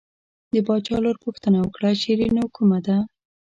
د باچا لور پوښتنه وکړه شیرینو کومه ده.